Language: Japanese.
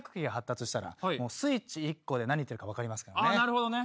なるほどね。